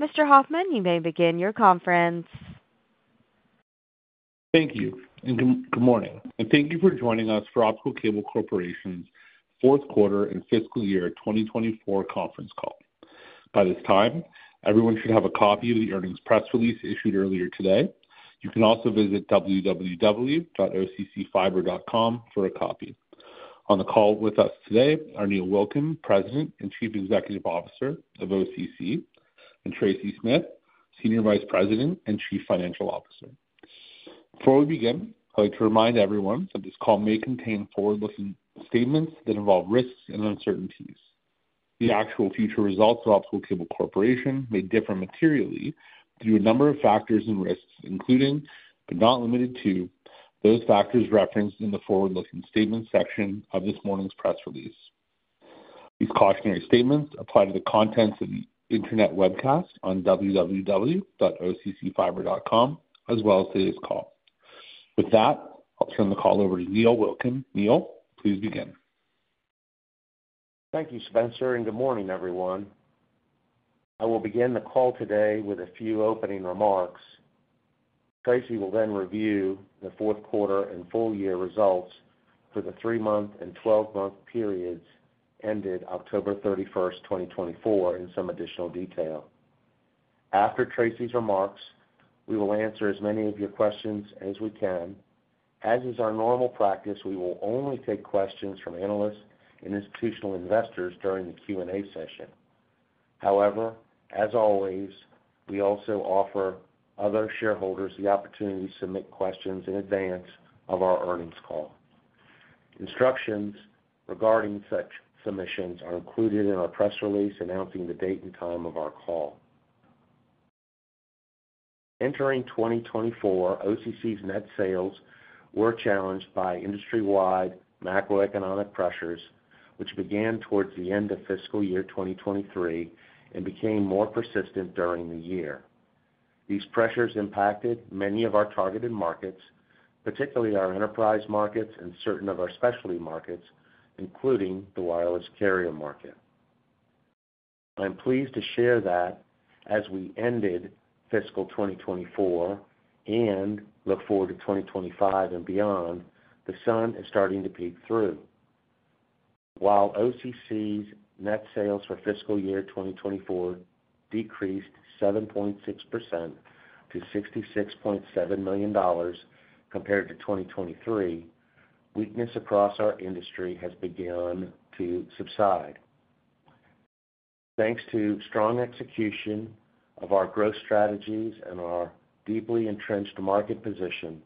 Mr. Hoffman, you may begin your conference. Thank you. And good, good morning. And thank you for joining us for Optical Cable Corporation's fourth quarter and fiscal year 2024 conference call. By this time, everyone should have a copy of the earnings press release issued earlier today. You can also visit www.occfiber.com for a copy. On the call with us today are Neil Wilkin, President and Chief Executive Officer of OCC, and Tracy Smith, Senior Vice President and Chief Financial Officer. Before we begin, I'd like to remind everyone that this call may contain forward-looking statements that involve risks and uncertainties. The actual future results of Optical Cable Corporation may differ materially due to a number of factors and risks, including, but not limited to, those factors referenced in the forward-looking statements section of this morning's press release. These cautionary statements apply to the contents of the internet webcast on www.occfiber.com, as well as today's call. With that, I'll turn the call over to Neil Wilkin. Neil, please begin. Thank you, Spencer, and good morning, everyone. I will begin the call today with a few opening remarks. Tracy will then review the fourth quarter and full year results for the three-month and twelve-month periods ended October 31st, 2024, in some additional detail. After Tracy's remarks, we will answer as many of your questions as we can. As is our normal practice, we will only take questions from analysts and institutional investors during the Q&A session. However, as always, we also offer other shareholders the opportunity to submit questions in advance of our earnings call. Instructions regarding such submissions are included in our press release announcing the date and time of our call. Entering 2024, OCC's net sales were challenged by industry-wide macroeconomic pressures, which began towards the end of fiscal year 2023 and became more persistent during the year. These pressures impacted many of our targeted markets, particularly our enterprise markets and certain of our specialty markets, including the wireless carrier market. I'm pleased to share that as we ended fiscal 2024 and look forward to 2025 and beyond, the sun is starting to peek through. While OCC's net sales for fiscal year 2024 decreased 7.6% to $66.7 million compared to 2023, weakness across our industry has begun to subside. Thanks to strong execution of our growth strategies and our deeply entrenched market position,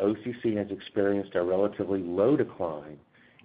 OCC has experienced a relatively low decline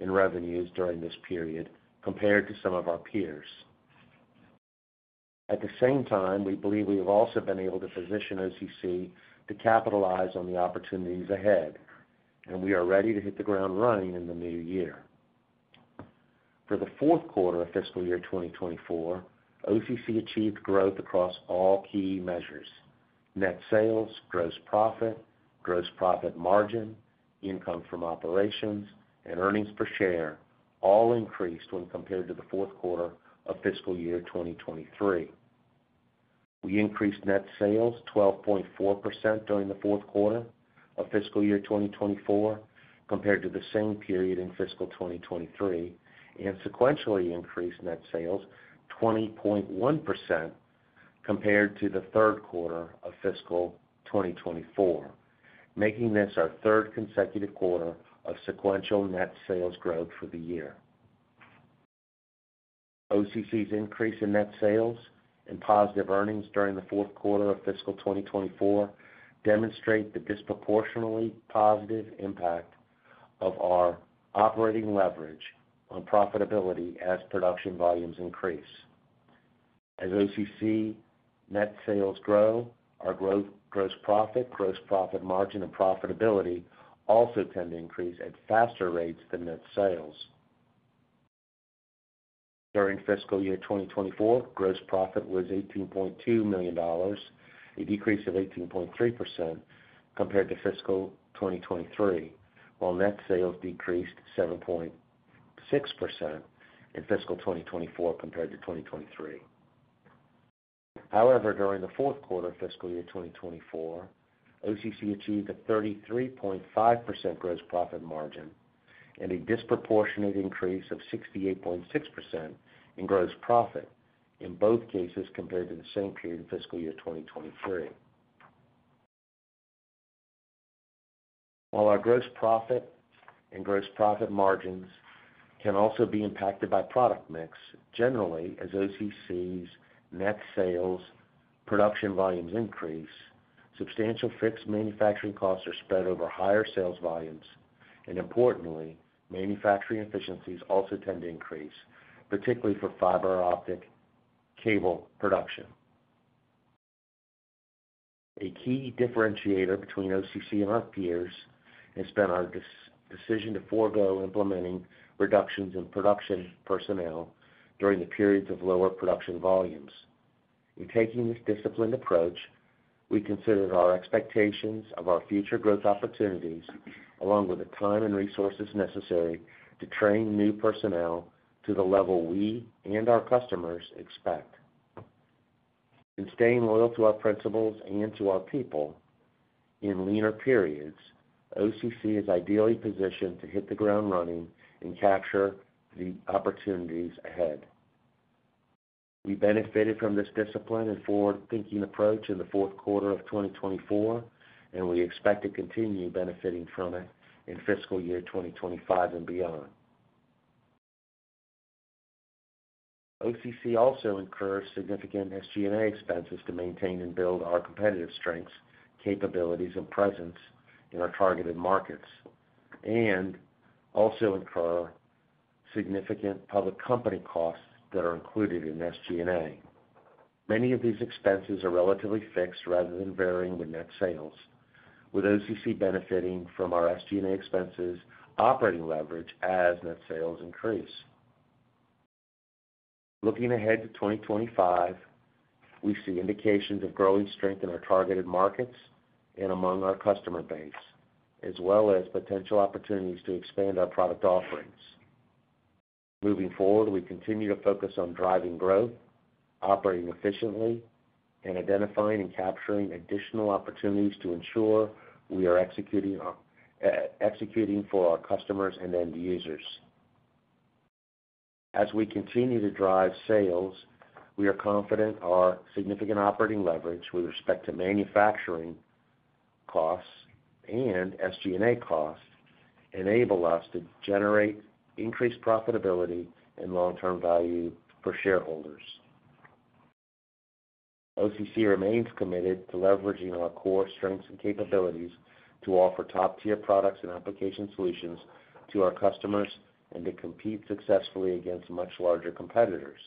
in revenues during this period compared to some of our peers. At the same time, we believe we have also been able to position OCC to capitalize on the opportunities ahead, and we are ready to hit the ground running in the new year. For the fourth quarter of fiscal year 2024, OCC achieved growth across all key measures: net sales, gross profit, gross profit margin, income from operations, and earnings per share, all increased when compared to the fourth quarter of fiscal year 2023. We increased net sales 12.4% during the fourth quarter of fiscal year 2024 compared to the same period in fiscal 2023, and sequentially increased net sales 20.1% compared to the third quarter of fiscal year 2024, making this our third consecutive quarter of sequential net sales growth for the year. OCC's increase in net sales and positive earnings during the fourth quarter of fiscal year 2024 demonstrate the disproportionately positive impact of our operating leverage on profitability as production volumes increase. As OCC net sales grow, our growth, gross profit, gross profit margin, and profitability also tend to increase at faster rates than net sales. During fiscal year 2024, gross profit was $18.2 million, a decrease of 18.3% compared to fiscal 2023, while net sales decreased 7.6% in fiscal 2024 compared to 2023. However, during the fourth quarter of fiscal year 2024, OCC achieved a 33.5% gross profit margin and a disproportionate increase of 68.6% in gross profit in both cases compared to the same period of fiscal year 2023. While our gross profit and gross profit margins can also be impacted by product mix, generally, as OCC's net sales and production volumes increase, substantial fixed manufacturing costs are spread over higher sales volumes, and importantly, manufacturing efficiencies also tend to increase, particularly for fiber optic cable production. A key differentiator between OCC and our peers has been our decision to forgo implementing reductions in production personnel during the periods of lower production volumes. In taking this disciplined approach, we considered our expectations of our future growth opportunities along with the time and resources necessary to train new personnel to the level we and our customers expect. In staying loyal to our principles and to our people in leaner periods, OCC is ideally positioned to hit the ground running and capture the opportunities ahead. We benefited from this discipline and forward-thinking approach in the fourth quarter of 2024, and we expect to continue benefiting from it in fiscal year 2025 and beyond. OCC also incurs significant SG&A expenses to maintain and build our competitive strengths, capabilities, and presence in our targeted markets, and also incur significant public company costs that are included in SG&A. Many of these expenses are relatively fixed rather than varying with net sales, with OCC benefiting from our SG&A expenses' operating leverage as net sales increase. Looking ahead to 2025, we see indications of growing strength in our targeted markets and among our customer base, as well as potential opportunities to expand our product offerings. Moving forward, we continue to focus on driving growth, operating efficiently, and identifying and capturing additional opportunities to ensure we are executing for our customers and end users. As we continue to drive sales, we are confident our significant operating leverage with respect to manufacturing costs and SG&A costs enables us to generate increased profitability and long-term value for shareholders. OCC remains committed to leveraging our core strengths and capabilities to offer top-tier products and application solutions to our customers and to compete successfully against much larger competitors.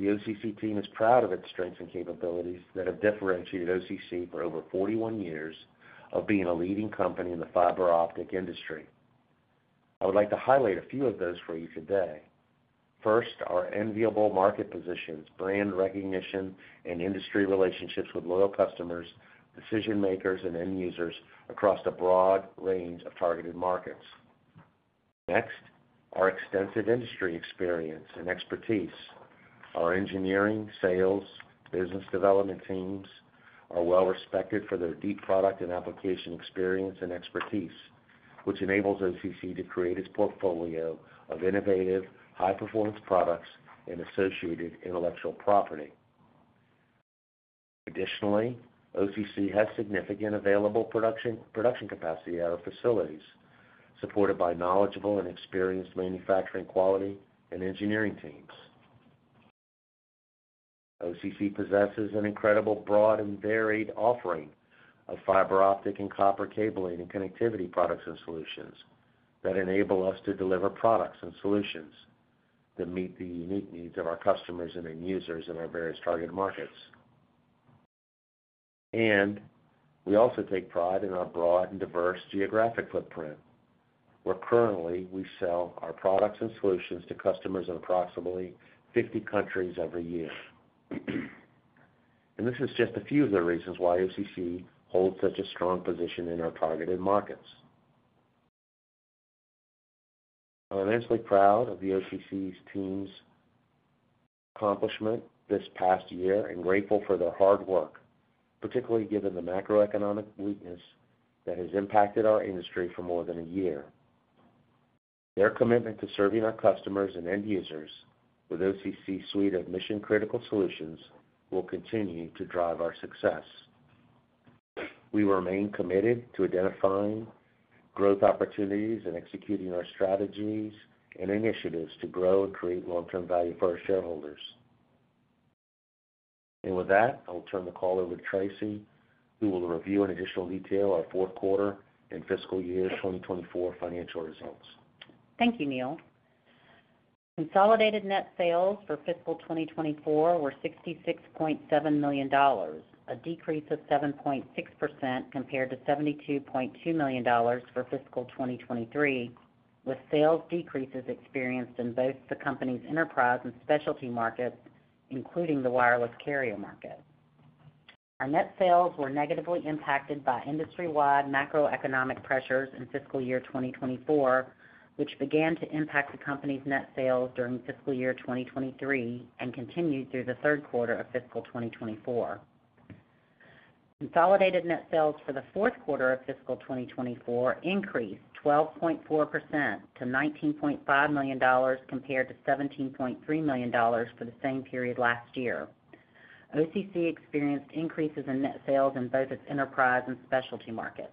The OCC team is proud of its strengths and capabilities that have differentiated OCC for over 41 years of being a leading company in the fiber optic industry. I would like to highlight a few of those for you today. First, our enviable market positions, brand recognition, and industry relationships with loyal customers, decision-makers, and end users across a broad range of targeted markets. Next, our extensive industry experience and expertise. Our engineering, sales, business development teams are well-respected for their deep product and application experience and expertise, which enables OCC to create its portfolio of innovative, high-performance products and associated intellectual property. Additionally, OCC has significant available production capacity at our facilities, supported by knowledgeable and experienced manufacturing quality and engineering teams. OCC possesses an incredible broad and varied offering of fiber optic and copper cabling and connectivity products and solutions that enable us to deliver products and solutions that meet the unique needs of our customers and end users in our various targeted markets. And we also take pride in our broad and diverse geographic footprint, where currently we sell our products and solutions to customers in approximately 50 countries every year. And this is just a few of the reasons why OCC holds such a strong position in our targeted markets. I'm immensely proud of the OCC's team's accomplishment this past year and grateful for their hard work, particularly given the macroeconomic weakness that has impacted our industry for more than a year. Their commitment to serving our customers and end users with OCC's suite of mission-critical solutions will continue to drive our success. We remain committed to identifying growth opportunities and executing our strategies and initiatives to grow and create long-term value for our shareholders. And with that, I'll turn the call over to Tracy, who will review in additional detail our fourth quarter and fiscal year 2024 financial results. Thank you, Neil. Consolidated net sales for fiscal 2024 were $66.7 million, a decrease of 7.6% compared to $72.2 million for fiscal 2023, with sales decreases experienced in both the company's enterprise and specialty markets, including the wireless carrier market. Our net sales were negatively impacted by industry-wide macroeconomic pressures in fiscal year 2024, which began to impact the company's net sales during fiscal year 2023 and continued through the third quarter of fiscal 2024. Consolidated net sales for the fourth quarter of fiscal 2024 increased 12.4% to $19.5 million compared to $17.3 million for the same period last year. OCC experienced increases in net sales in both its enterprise and specialty markets.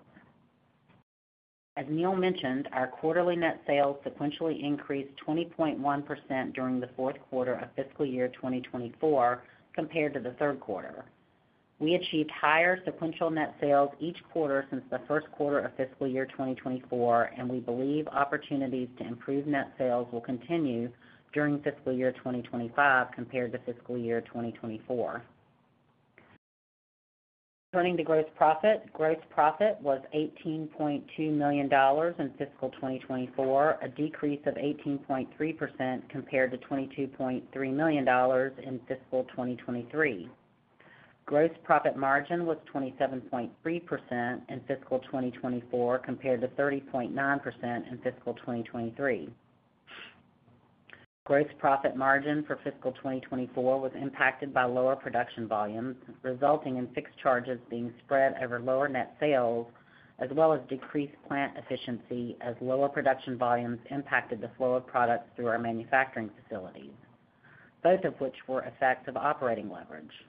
As Neil mentioned, our quarterly net sales sequentially increased 20.1% during the fourth quarter of fiscal year 2024 compared to the third quarter. We achieved higher sequential net sales each quarter since the first quarter of fiscal year 2024, and we believe opportunities to improve net sales will continue during fiscal year 2025 compared to fiscal year 2024. Turning to gross profit, gross profit was $18.2 million in fiscal 2024, a decrease of 18.3% compared to $22.3 million in fiscal 2023. Gross profit margin was 27.3% in fiscal 2024 compared to 30.9% in fiscal 2023. Gross profit margin for fiscal 2024 was impacted by lower production volumes, resulting in fixed charges being spread over lower net sales, as well as decreased plant efficiency as lower production volumes impacted the flow of products through our manufacturing facilities, both of which were effects of operating leverage.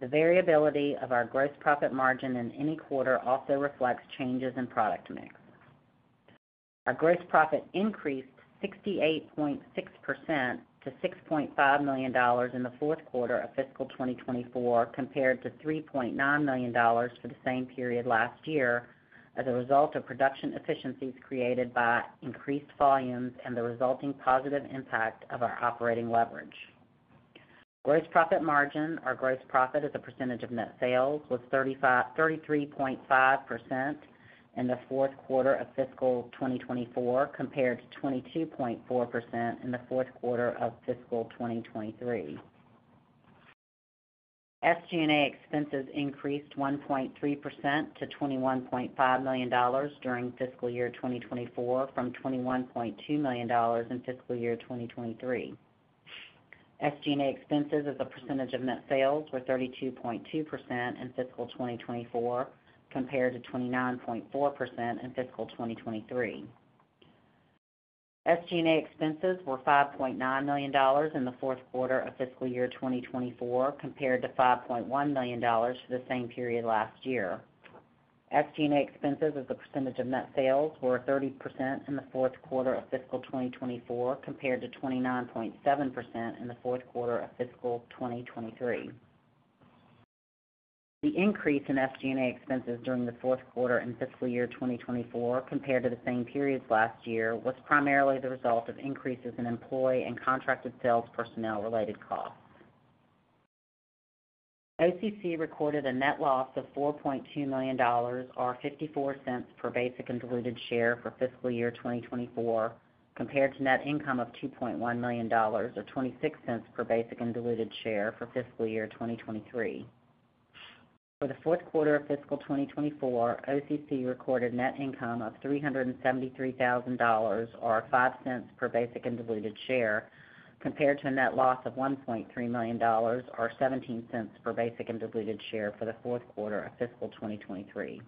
The variability of our gross profit margin in any quarter also reflects changes in product mix. Our gross profit increased 68.6% to $6.5 million in the fourth quarter of fiscal 2024 compared to $3.9 million for the same period last year as a result of production efficiencies created by increased volumes and the resulting positive impact of our operating leverage. Gross profit margin, our gross profit as a percentage of net sales, was 33.5% in the fourth quarter of fiscal 2024 compared to 22.4% in the fourth quarter of fiscal 2023. SG&A expenses increased 1.3% to $21.5 million during fiscal year 2024 from $21.2 million in fiscal year 2023. SG&A expenses as a percentage of net sales were 32.2% in fiscal 2024 compared to 29.4% in fiscal 2023. SG&A expenses were $5.9 million in the fourth quarter of fiscal year 2024 compared to $5.1 million for the same period last year. SG&A expenses as a percentage of net sales were 30% in the fourth quarter of fiscal 2024 compared to 29.7% in the fourth quarter of fiscal 2023. The increase in SG&A expenses during the fourth quarter in fiscal year 2024 compared to the same period last year was primarily the result of increases in employee and contracted sales personnel-related costs. OCC recorded a net loss of $4.2 million, or $0.54 per basic and diluted share for fiscal year 2024, compared to net income of $2.1 million, or $0.26 per basic and diluted share for fiscal year 2023. For the fourth quarter of fiscal 2024, OCC recorded net income of $373,000, or $0.05 per basic and diluted share, compared to a net loss of $1.3 million, or $0.17 per basic and diluted share for the fourth quarter of fiscal 2023.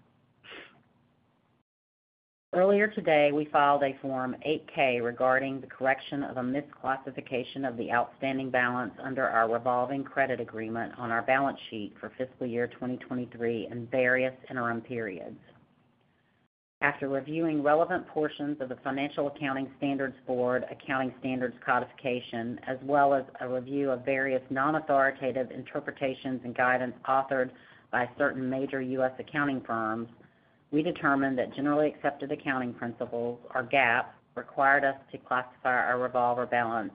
Earlier today, we filed a Form 8-K regarding the correction of a misclassification of the outstanding balance under our revolving credit agreement on our balance sheet for fiscal year 2023 and various interim periods. After reviewing relevant portions of the Financial Accounting Standards Board Accounting Standards Codification, as well as a review of various non-authoritative interpretations and guidance authored by certain major U.S. accounting firms, we determined that generally accepted accounting principles, or GAAP, required us to classify our revolver balance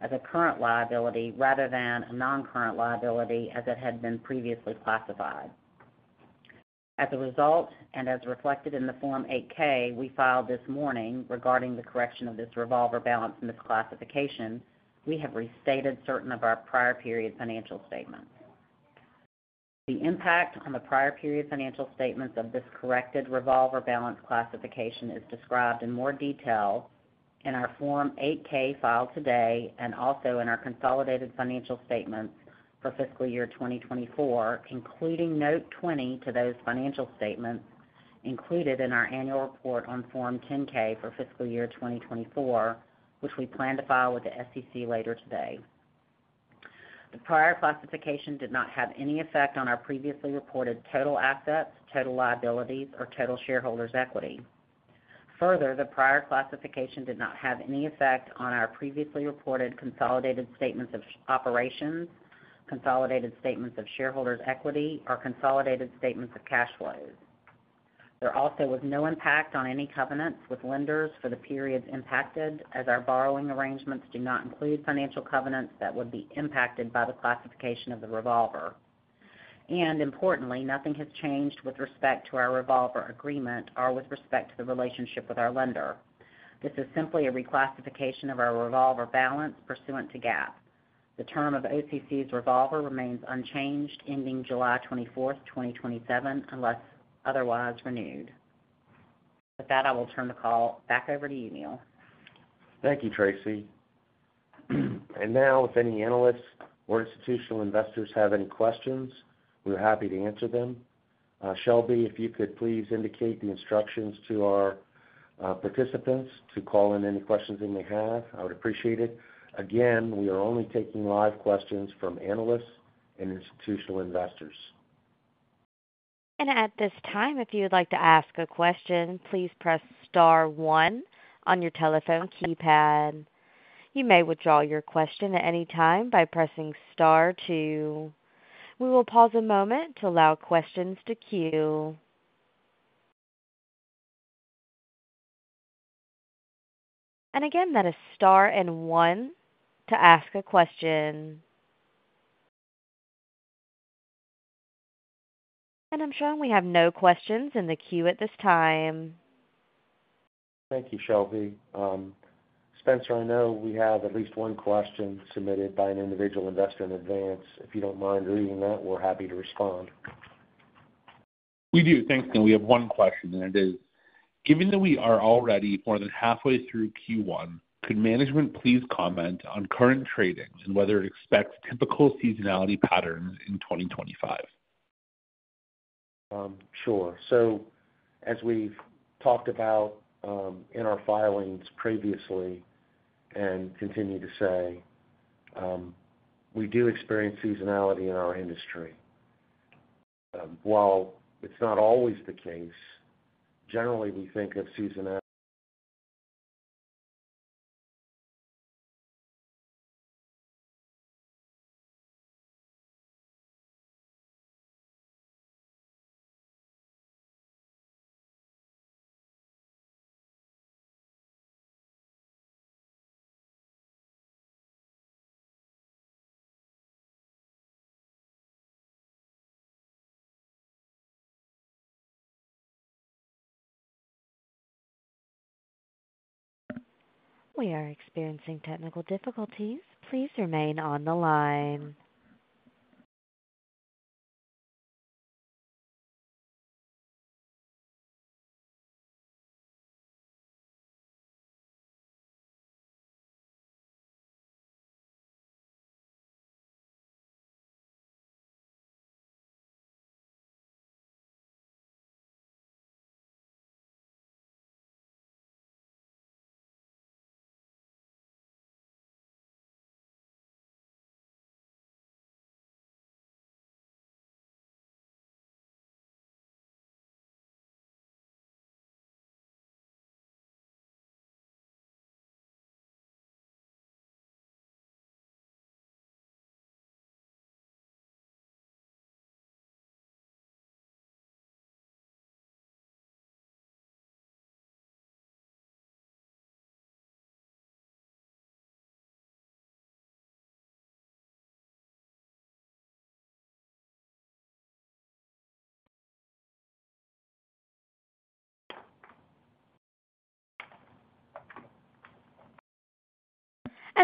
as a current liability rather than a non-current liability as it had been previously classified. As a result, and as reflected in the Form 8-K we filed this morning regarding the correction of this revolver balance misclassification, we have restated certain of our prior period financial statements. The impact on the prior period financial statements of this corrected revolver balance classification is described in more detail in our Form 8-K filed today and also in our consolidated financial statements for fiscal year 2024, including Note 20 to those financial statements included in our annual report on Form 10-K for fiscal year 2024, which we plan to file with the SEC later today. The prior classification did not have any effect on our previously reported total assets, total liabilities, or total shareholders' equity. Further, the prior classification did not have any effect on our previously reported consolidated statements of operations, consolidated statements of shareholders' equity, or consolidated statements of cash flows. There also was no impact on any covenants with lenders for the periods impacted, as our borrowing arrangements do not include financial covenants that would be impacted by the classification of the revolver. Importantly, nothing has changed with respect to our revolver agreement or with respect to the relationship with our lender. This is simply a reclassification of our revolver balance pursuant to GAAP. The term of OCC's revolver remains unchanged, ending July 24, 2027, unless otherwise renewed. With that, I will turn the call back over to you, Neil. Thank you, Tracy. And now, if any analysts or institutional investors have any questions, we're happy to answer them. Shelby, if you could please indicate the instructions to our participants to call in any questions they may have. I would appreciate it. Again, we are only taking live questions from analysts and institutional investors. And at this time, if you would like to ask a question, please press star one on your telephone keypad. You may withdraw your question at any time by pressing Star two. We will pause a moment to allow questions to queue. And again, that is star and one to ask a question. And I'm showing we have no questions in the queue at this time. Thank you, Shelby. Spencer, I know we have at least one question submitted by an individual investor in advance. If you don't mind reading that, we're happy to respond. We do. Thank you. We have one question, and it is, given that we are already more than halfway through Q1, could management please comment on current trading and whether it expects typical seasonality patterns in 2025? Sure. So as we've talked about in our filings previously and continue to say, we do experience seasonality in our industry. While it's not always the case, generally we think of seasonality. We are experiencing technical difficulties. Please remain on the line.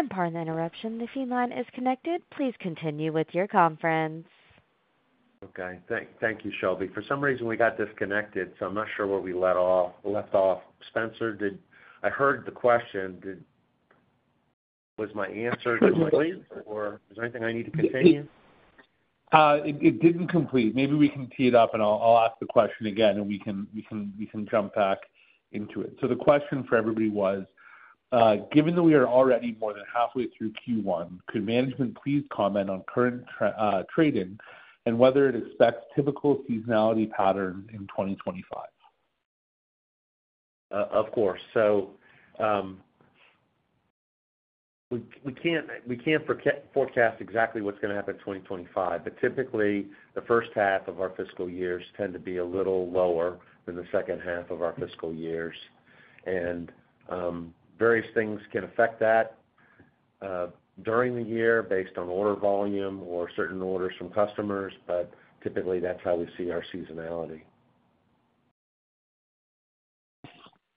Pardon the interruption. The phone line is connected. Please continue with your conference. Okay. Thank you, Shelby. For some reason, we got disconnected, so I'm not sure where we left off. Spencer, I heard the question. Was my answer complete, or is there anything I need to continue? It didn't complete. Maybe we can tee it up, and I'll ask the question again, and we can jump back into it. So the question for everybody was, given that we are already more than halfway through Q1, could management please comment on current trading and whether it expects typical seasonality patterns in 2025? Of course. So we can't forecast exactly what's going to happen in 2025, but typically, the first half of our fiscal years tend to be a little lower than the second half of our fiscal years. And various things can affect that during the year based on order volume or certain orders from customers, but typically, that's how we see our seasonality.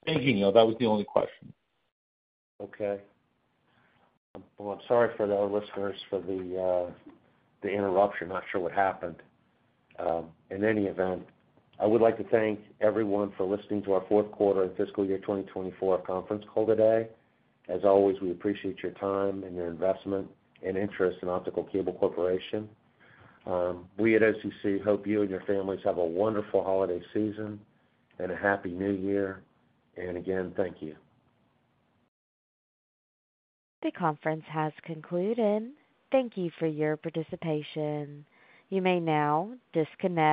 Thank you, Neil. That was the only question. Okay. I'm sorry for the listeners for the interruption. Not sure what happened. In any event, I would like to thank everyone for listening to our fourth quarter of fiscal year 2024 conference call today. As always, we appreciate your time and your investment and interest in Optical Cable Corporation. We at OCC hope you and your families have a wonderful holiday season and a Happy New Year. Again, thank you. The conference has concluded. Thank you for your participation. You may now disconnect.